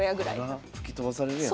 ワラ吹き飛ばされるやん。